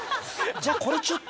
じゃあ、これちょっと。